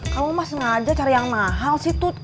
kamu mah sengaja cari yang mahal sih tu